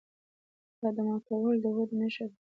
دا ماتول د ودې نښه ده.